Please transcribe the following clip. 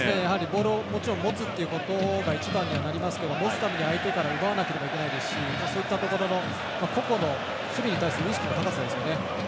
ボールを持つってことが一番にはなりますから持つためには奪わないといけないですしそういったところの個々の守備に対する意識の高さですね。